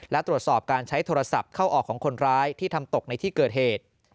และตรวจสอบการใช้โทรศัพท์เข้าออกของคนร้ายที่ทำตกในที่เกิดเหตุ